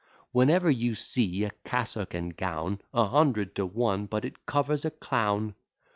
'Whenever you see a cassock and gown, A hundred to one but it covers a clown.